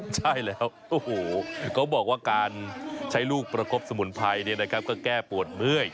ใช่แล้วโอ้โหเขาบอกว่าการใช้ลูกประคบสมุนไพรก็แก้ปวดเมื่อย